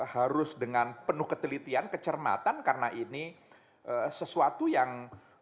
harus dengan penuh ketelitian kecermatan karena ini sesuatu yang